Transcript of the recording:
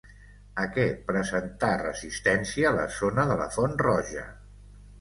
A què presentà resistència la zona de la Font Roja?